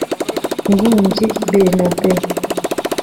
Mubumbyi Bernabé